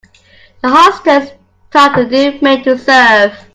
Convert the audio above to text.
The hostess taught the new maid to serve.